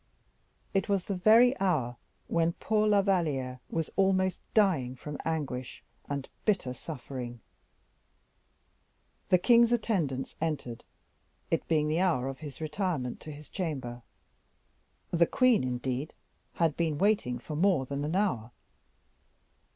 It was the very hour when poor La Valliere was almost dying from anguish and bitter suffering. The king's attendants entered, it being the hour of his retirement to his chamber; the queen, indeed, had been waiting for more than an hour.